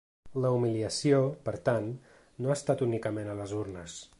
La humiliació, per tant, no ha estat únicament a les urnes.